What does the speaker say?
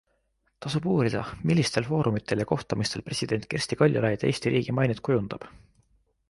Tasub uurida, millistel foorumitel ja kohtumistel president Kersti Kaljulaid Eesti riigi mainet kujundab.